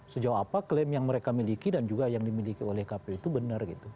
sejauh apa klaim yang mereka miliki dan juga yang dimiliki oleh kpu itu benar gitu